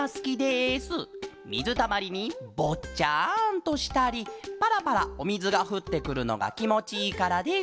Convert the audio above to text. みずたまりにぼっちゃんとしたりパラパラおみずがふってくるのがきもちいいからです。